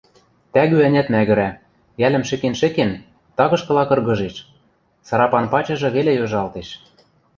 Тӓгӱ-ӓнят мӓгӹрӓ, йӓлӹм шӹкен-шӹкен, тагышкыла кыргыжеш, сарапан пачыжы веле йожалтеш.